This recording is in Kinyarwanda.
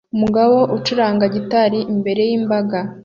Umugabo ucuranga gitari imbere yimbaga